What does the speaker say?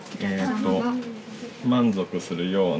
満足するような。